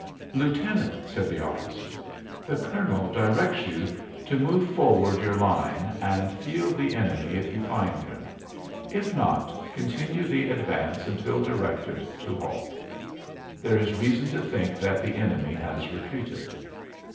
"Lieutenant," said the officer, "the colonel directs you to move forward your line and feel the enemy if you find him. If not, continue the advance until directed to halt. There is reason to think that the enemy has retreated."